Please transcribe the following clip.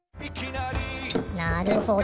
なるほど。